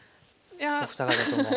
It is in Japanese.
お二方とも。